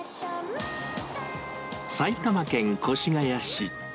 埼玉県越谷市。